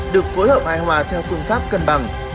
được phối hợp hài hòa theo phương pháp cân bằng